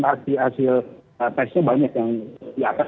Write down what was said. hasil tesnya banyak yang di atas